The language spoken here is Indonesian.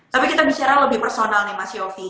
tapi kita bicara lebih personal nih mas yofi